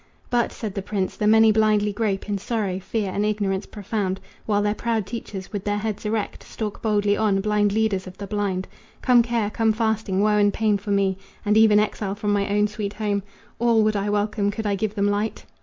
"But," said the prince, "the many blindly grope In sorrow, fear and ignorance profound, While their proud teachers, with their heads erect, Stalk boldly on, blind leaders of the blind. Come care, come fasting, woe and pain for me, And even exile from my own sweet home, All would I welcome could I give them light."